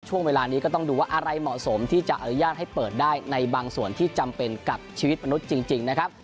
ช่วงเวลานี้ก็ต้องดูว่าอะไรเหมาะสมที่จะอนุญาตให้เปิดได้ในบางส่วนที่จำเป็นกับชีวิตมนุษย์จริงนะครับ